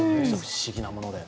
不思議なもので。